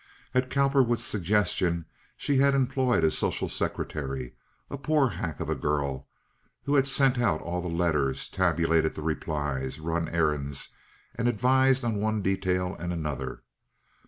At Cowperwood's suggestion she had employed a social secretary, a poor hack of a girl, who had sent out all the letters, tabulated the replies, run errands, and advised on one detail and another.